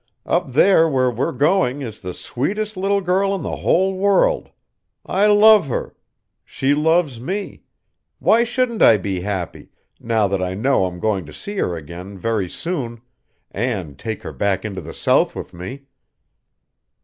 Up there where we're going is the sweetest little girl in the whole world. I love her. She loves me. Why shouldn't I be happy, now that I know I'm going to see her again very soon and take her back into the South with me?"